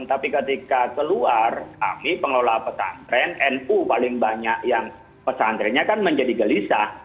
tapi ketika keluar kami pengelola pesantren nu paling banyak yang pesantrennya kan menjadi gelisah